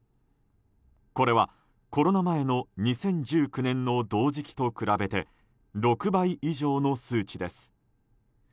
これはコロナ前の２０１９年の同時期と比べて６倍以上の数値です。